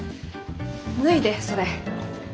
脱いでそれ。